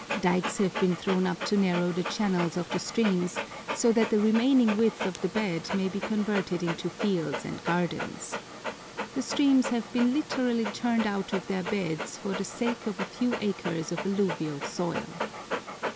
Dikes have been thrown up to narrow the channels of the streams, so that the remaining width of the bed may be converted into fields and gardens. The streams have been literally turned out of their beds for the sake of a few acres of alluvial soil.